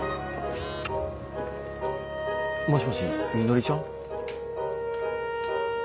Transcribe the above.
もしもしみのりちゃん？